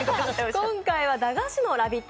今回は駄菓子のラヴィット！